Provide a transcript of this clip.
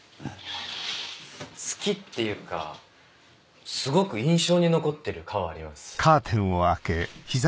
好きっていうかすごく印象に残ってる科はあります。